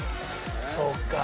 そうか。